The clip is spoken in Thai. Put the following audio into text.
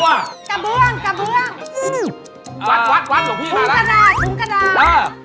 วัดวัดวัดหลวงพี่มาแล้ว